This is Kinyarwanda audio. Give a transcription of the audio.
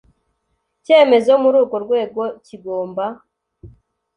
cyemezo muri urwo rwego kigomba